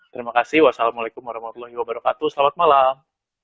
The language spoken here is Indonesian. terima kasih wassalamualaikum warahmatullahi wabarakatuh selamat malam